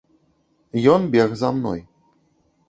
Ён бег за мной.